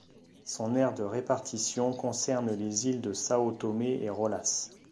Son aire de répartition concerne les îles de São Tomé et Rolas.